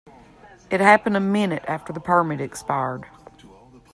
It happened a minute after the permit expired.